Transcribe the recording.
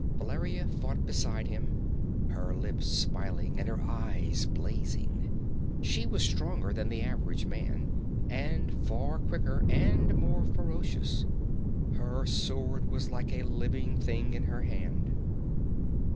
Valeria fought beside him, her lips smiling and her eyes blazing. She was stronger than the average man, and far quicker and more ferocious. Her sword was like a living thing in her hand.